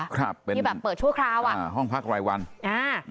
ครับเป็นที่แบบเปิดชั่วคราวอ่ะอ่าห้องพักรายวันอ่า